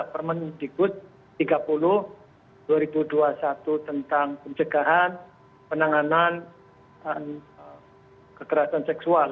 permendikbud tiga puluh dua ribu dua puluh satu tentang pencegahan penanganan kekerasan seksual